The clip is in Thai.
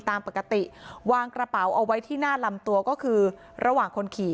ตามปกติวางกระเป๋าเอาไว้ที่หน้าลำตัวก็คือระหว่างคนขี่